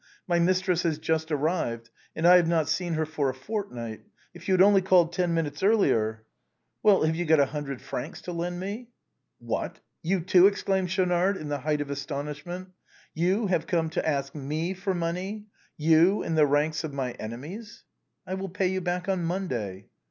My mistress has just arrived, and I have not seen her for a fortnight. If you had only called ten minutes earlier." THE CAPE OF STORMS. 119 " Well, have you got a hundred francs to lend me ?"" What ! you too !" exclaimed Schaunard, in the height of astonishment. " You have come to ask me for money ! You, in the ranks of my enemies !"" I will pay you back on Monday."